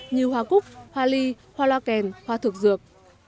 như hoa cúc hoa ly hoa loa kèn hoa thực dược